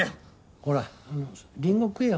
ほらリンゴ食えよ。